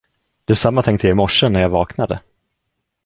Detsamma tänkte jag i morse, när jag vaknade.